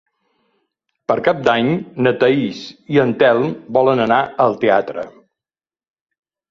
Per Cap d'Any na Thaís i en Telm volen anar al teatre.